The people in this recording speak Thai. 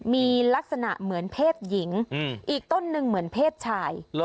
มีลักษณะเหมือนเพศหญิงอีกต้นหนึ่งเหมือนเพศชาย